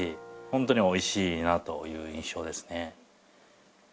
本当においしいなという印象ですね。